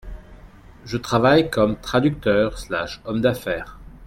Je travaille comme (traducteur / homme d'affaires).